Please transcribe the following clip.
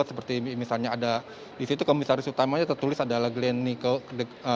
seperti misalnya ada disitu komisaris utamanya tertulis adalah glenn nicole